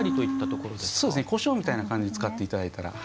こしょうみたいな感じで使っていただいたら。